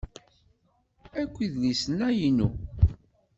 Akk idlisen-a inu.